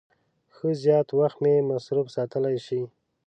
ښه زیات وخت مې مصروف ساتلای شي.